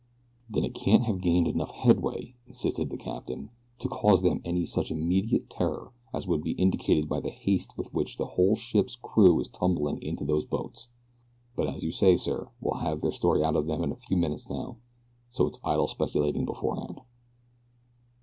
"Then it can't have gained enough headway," insisted the captain, "to cause them any such immediate terror as would be indicated by the haste with which the whole ship's crew is tumbling into those boats; but as you say, sir, we'll have their story out of them in a few minutes now, so it's idle speculating beforehand."